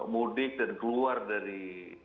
mudik dan keluar dari